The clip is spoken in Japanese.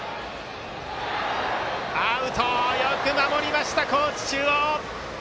よく守りました、高知中央！